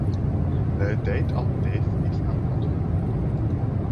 Her date of death is unconfirmed.